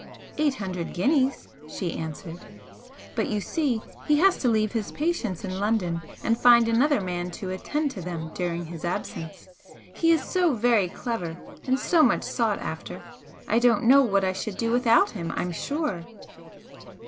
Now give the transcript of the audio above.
"Eight hundred guineas" she answered "But, you see, he has to leave his patients in London, and find another man to attend to them during his absence. He is so very clever and so much sought after I don't know what I should do without him, I'm sure!"